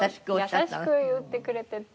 優しく言ってくれてて。